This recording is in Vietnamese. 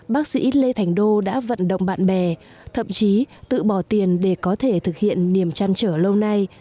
bác sĩ lê thành đô đã vận động bạn bè thậm chí tự bỏ tiền để có thể thực hiện niềm chăn trở lâu nay